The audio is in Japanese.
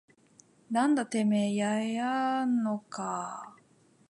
なんだててめぇややんのかぁ